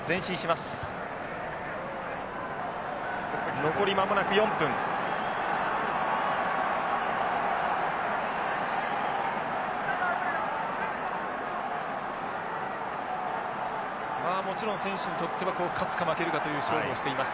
まあもちろん選手にとっては勝つか負けるかという勝負をしています。